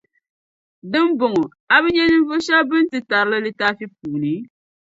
Di ni bɔŋɔ, a bi nya ninvuɣu shεba bɛ ni ti tarli litaafi puuni?